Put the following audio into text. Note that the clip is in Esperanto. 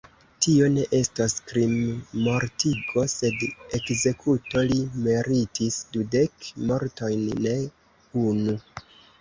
Tio ne estos krimmortigo, sed ekzekuto: li meritis dudek mortojn, ne unu.